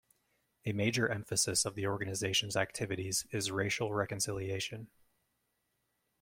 A major emphasis of the organization's activities is racial reconciliation.